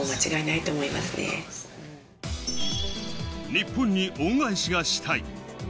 日本に恩返しがしたい。